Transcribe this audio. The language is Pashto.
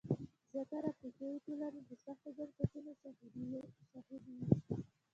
زیاتره افریقایي ټولنې د سختو بنسټونو شاهدې وې.